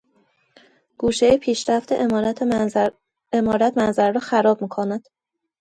گوشهٔ پیشرفته عمارت منظره را خراب میکند.